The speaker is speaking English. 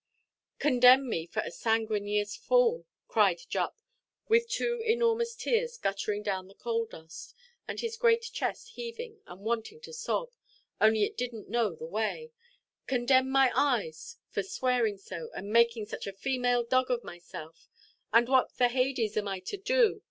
"[Condemn] me for a [sanguineous] fool," cried Jupp, with two enormous tears guttering down the coal–dust, and his great chest heaving and wanting to sob, only it didnʼt know the way; "[condemn] my eyes for swearing so, and making such a [female dog] of myself, but what the [Hades] am I to do?